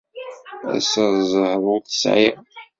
Assa ẓẓher ur t-sεiɣ!